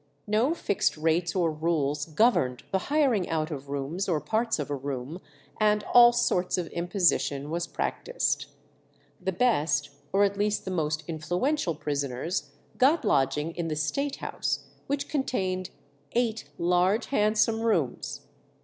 No fixed rates or rules governed the hiring out of rooms or parts of a room, and all sorts of imposition was practised. The best, or at least the most influential prisoners, got lodging in the State House, which contained "eight large handsome rooms."